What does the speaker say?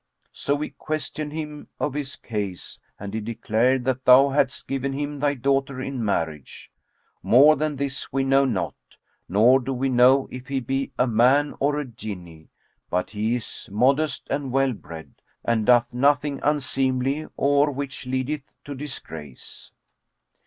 So we questioned him of his case and he declared that thou hadst given him thy daughter in marriage. More than this we know not, nor do we know if he be a man or a Jinni; but he is modest and well bred, and doth nothing unseemly or which leadeth to disgrace."